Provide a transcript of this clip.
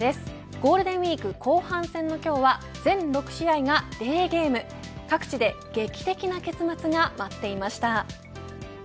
ゴールデンウイーク後半戦の今日は全６試合がデーゲーム各地で劇的な結末が待っていました。